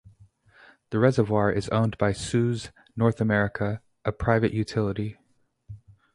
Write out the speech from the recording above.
The reservoir is owned by Suez North America, a private utility.